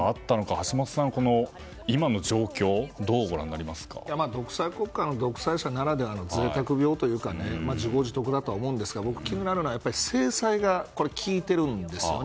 橋下さんは今の状況どうご覧になりますか。独裁国家の独裁者ならではの贅沢病というか自業自得だと思うんですが気になるのは制裁が効いているんですよね。